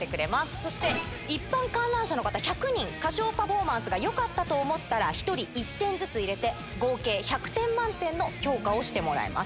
そして、一般観覧者の方１００人、歌唱パフォーマンスがよかったと思ったら、１人１点ずつ入れて、合計１００点満点の評価をしてもらいます。